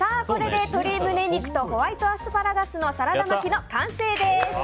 これで、鶏胸肉とホワイトアスパラガスのサラダ巻きの完成です。